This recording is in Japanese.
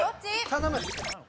頼む！